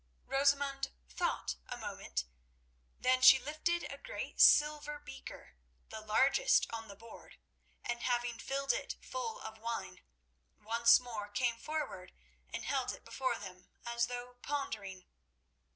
Rosamund thought a moment; then she lifted a great silver beaker, the largest on the board, and having filled it full of wine, once more came forward and held it before them as though pondering.